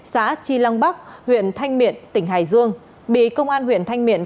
xã tri lăng bắc huyện thanh miện tỉnh hải dương bị công an huyện thanh miện